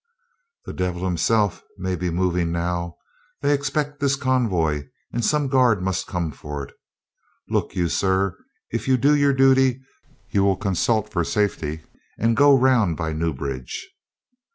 "The devil himself may be moving now. They expect this convoy and some guard must come for it. Look you, sir, if you do your duty you will consult for safety and go round by Newbridge."